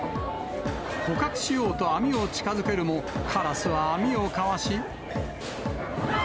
捕獲しようと網を近づけるも、カラスは網をかわし。